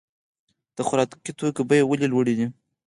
د خوراکي توکو بیې ولې لوړې دي؟